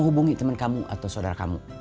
kamu hubungi temen kamu atau sodara kamu